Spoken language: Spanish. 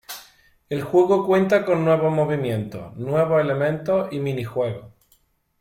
El juego cuenta con nuevos movimientos, nuevos elementos, y minijuegos.